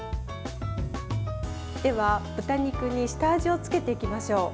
では、豚肉に下味をつけていきましょう。